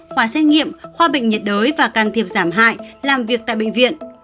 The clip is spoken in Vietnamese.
khoa xét nghiệm khoa bệnh nhiệt đới và can thiệp giảm hại làm việc tại bệnh viện